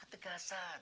harus ada ketegasan